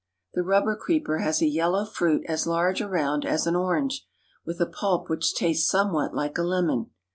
The rubber creeper has a yellow fruit as large around as an orange, with a pulp which tastes somewhat like a lemon.